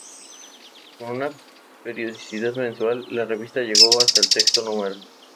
Con una periodicidad mensual, la revista llegó hasta el sexto número.